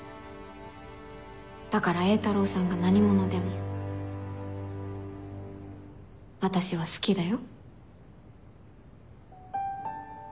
だから榮太郎さんが何者でも私は好きだよ。